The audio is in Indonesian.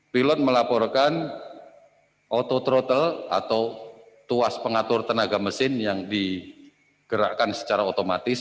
pilot melaporkan autothrottle atau tuas pengatur tenaga mesin yang digerakkan secara otomatis